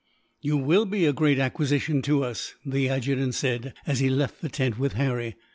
"You will be a great acquisition to us," the adjutant said, as he left the tent with Harry.